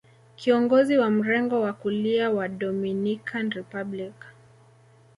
Kiongozi wa mrengo wa kulia wa Dominican Republic